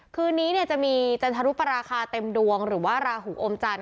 คืนนี้จะมีจันทรุปราคาเต็มดวงหรือว่าราหูอมจันท